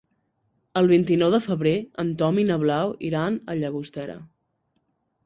El vint-i-nou de febrer en Tom i na Blau iran a Llagostera.